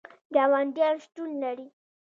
ګاونډیان شتون لري